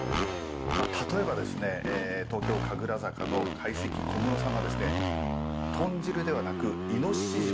例えばですね、東京・神楽坂の懐石小室さんが、豚汁ではなく、猪汁。